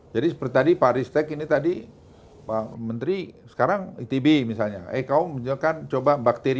jadi seperti tadi pak ristek ini tadi pak menteri sekarang itb misalnya eh kau menjelaskan coba bakteri